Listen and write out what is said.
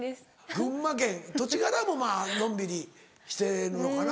群馬県土地柄もまぁのんびりしてるのかな？